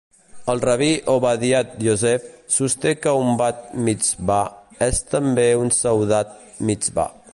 El rabí Ovadiah Yosef sosté que un Bat Mitzvah és també un seudat mitzvah.